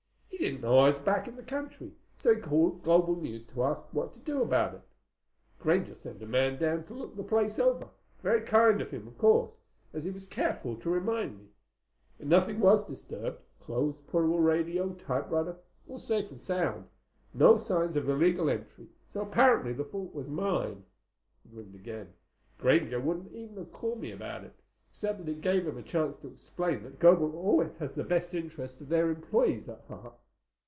He didn't know I was back in the country, so he called Global News to ask what to do about it. Granger sent a man down to look the place over—very kind of him, of course, as he was careful to remind me. But nothing was disturbed—clothes, portable radio, typewriter, all safe and sound. No signs of illegal entry, so apparently the fault was mine." He grinned again. "Granger wouldn't even have called me about it, except that it gave him a chance to explain that Global always has the best interests of their employees at heart."